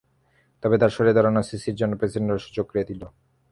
তবে তাঁর সরে দাঁড়ানো সিসির জন্য প্রেসিডেন্ট হওয়ার সুযোগ করে দিল।